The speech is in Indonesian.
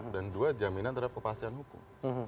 dan dua jaminan terhadap kepastian hukum